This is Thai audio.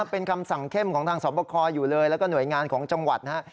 เป็นคำสั่งเข้มของทางสอบคออยู่เลยแล้วก็หน่วยงานของจังหวัดนะครับ